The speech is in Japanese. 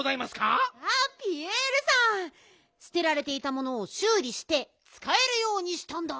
あっピエールさんすてられていたものをしゅうりしてつかえるようにしたんだ。